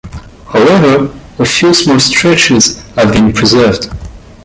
However, a few small stretches have been preserved.